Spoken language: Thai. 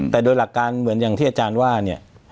แต่โดยหลักการเหมือนอย่างที่อาจารย์ว่าเนี่ย